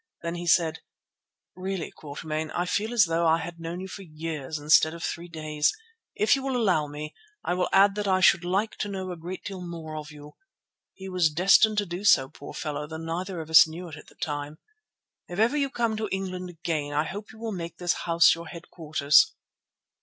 Then he said, "Really, Quatermain, I feel as though I had known you for years instead of three days; if you will allow me I will add that I should like to know a great deal more of you." (He was destined to do so, poor fellow, though neither of us knew it at the time.) "If ever you come to England again I hope you will make this house your headquarters."